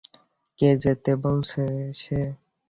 কি যাতা বলছে সে?